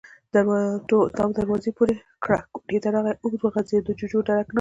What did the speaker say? تواب دروازه پورې کړه، کوټې ته راغی، اوږد وغځېد، د جُوجُو درک نه و.